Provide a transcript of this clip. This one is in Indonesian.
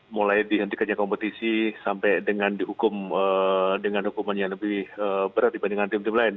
mulai dihentikannya kompetisi sampai dengan hukuman yang lebih berat dibandingkan tim tim lain